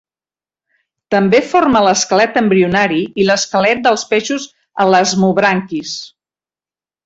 També forma l'esquelet embrionari i l'esquelet dels peixos elasmobranquis.